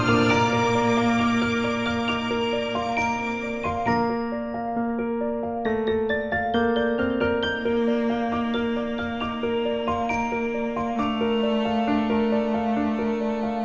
ada tania tuh pak